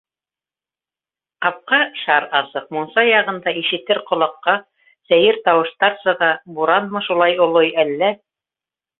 Ҡапҡа шар асыҡ, мунса яғында ишетер ҡолаҡҡа сәйер тауыштар сыға, буранмы шулай олой, әллә...